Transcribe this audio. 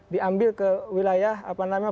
diambil ke wilayah apa namanya